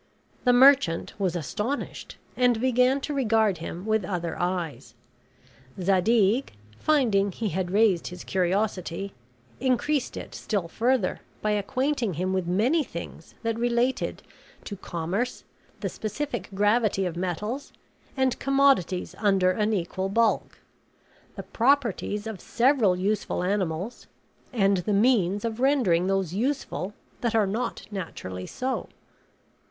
The merchant was astonished, and began to regard him with other eyes. Zadig, finding he had raised his curiosity, increased it still further by acquainting him with many things that related to commerce, the specific gravity of metals, and commodities under an equal bulk; the properties of several useful animals; and the means of rendering those useful that are not naturally so.